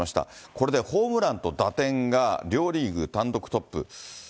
これでホームランと打点が、両リーグ単独トップ。